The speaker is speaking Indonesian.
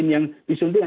vaksin yang disuntikan